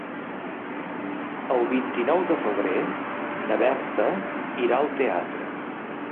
El vint-i-nou de febrer na Berta irà al teatre.